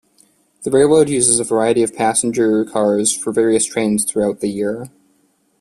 The railroad uses a variety of passenger cars for various trains throughout the year.